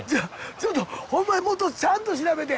ちょっとほんまにもっとちゃんと調べて。